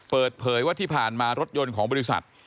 เปิดเผยว่าที่ผ่านมารถยนต์ของบริษัท